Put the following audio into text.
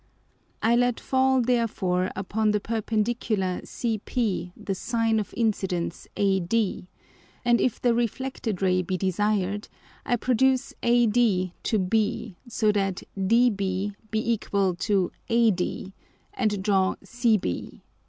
I let fall therefore upon the Perpendicular CP the Sine of Incidence AD; and if the reflected Ray be desired, I produce AD to B so that DB be equal to AD, and draw CB.